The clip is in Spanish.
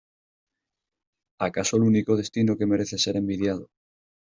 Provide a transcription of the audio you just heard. ¡ acaso el único destino que merece ser envidiado!